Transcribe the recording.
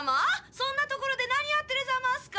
そんなところで何やってるざますか？